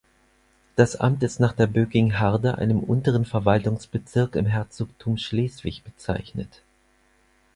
Das Amt ist nach der Bökingharde, einem unteren Verwaltungsbezirk im Herzogtum Schleswig, bezeichnet.